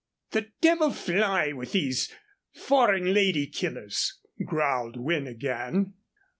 "The devil fly with these foreign lady killers," growled Wynne again.